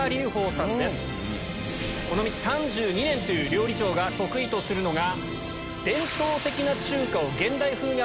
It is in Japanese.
この道３２年という料理長が得意とするのが。